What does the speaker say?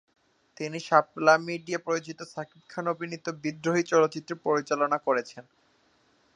তিনি শাপলা মিডিয়া প্রযোজিত শাকিব খান অভিনীত "বিদ্রোহী" চলচ্চিত্র পরিচালনা করেছেন।